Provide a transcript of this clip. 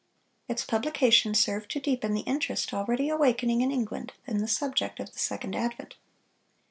Its publication served to deepen the interest already awakening in England in the subject of the second advent.